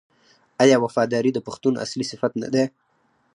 آیا وفاداري د پښتون اصلي صفت نه دی؟